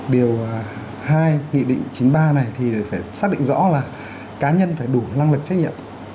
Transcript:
điều hai nghị định chín mươi ba này thì phải xác định rõ là cá nhân phải đủ năng lực trách nhiệm